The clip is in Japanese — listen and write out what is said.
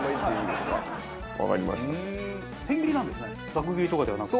ザク切りとかではなく。